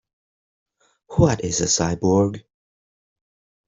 What is a cyborg?